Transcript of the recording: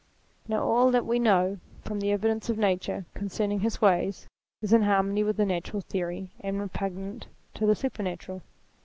Now all that we REVELATION 235 know, from the evidence of nature, concerning his ways, is in harmony with the natural theory and repugnant to the supernatural.